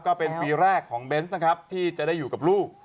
ก็เป็นปีแรกของเบนส์นะครับที่จะได้อยู่กับลูก